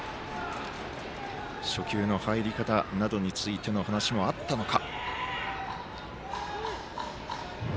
初球の入り方などについての話もあったのか。